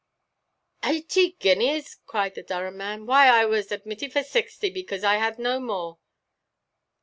"Ahty guineas!" cried the Durham man; "why I was admeeted for saxty, because I had no more."